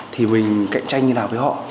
thì mình cạnh tranh như nào với họ